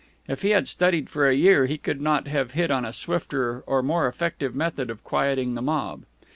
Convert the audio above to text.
If he had studied for a year, he could not have hit on a swifter or more effective method of quieting the mob.